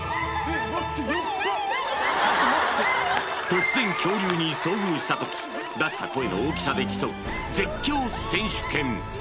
突然恐竜に遭遇した時出した声の大きさで競う絶叫選手権